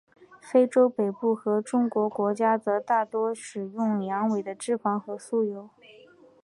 非洲北部和中东国家则大多使用羊尾的脂肪和酥油。